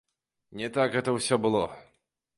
Не так гэта ўсё было.